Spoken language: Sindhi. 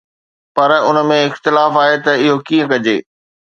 پر ان ۾ اختلاف آهي ته اهو ڪيئن ڪجي